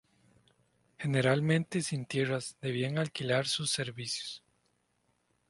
Generalmente sin tierras, debían alquilar sus servicios.